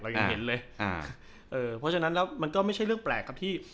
ยังเห็นเลยอ่าเออเพราะฉะนั้นแล้วมันก็ไม่ใช่เรื่องแปลกครับที่